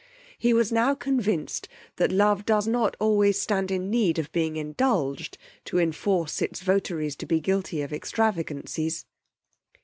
He was now convinced that love does not always stand in need of being indulged to enforce its votaries to be guilty of extravagancies.